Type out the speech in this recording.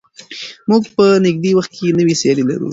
موږ به په نږدې وخت کې نوې سیالۍ ولرو.